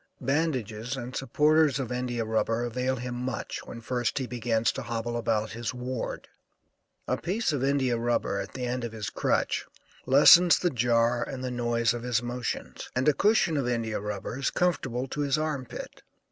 Bandages and supporters of India rubber avail him much when first he begins to hobble about his ward. A piece of India rubber at the end of his crutch lessens the jar and the noise of his motions, and a cushion of India rubber is comfortable to his arm pit.